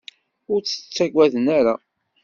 Ur tt-ttagaden ara.